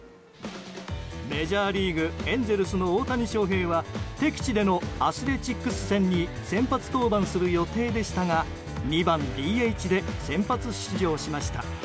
メジャーリーグ、エンゼルスの大谷翔平は敵地でのアスレチックス戦に先発登板する予定でしたが２番ＤＨで先発出場しました。